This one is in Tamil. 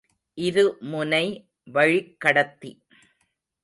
இருமுனை வழிக் கடத்தி.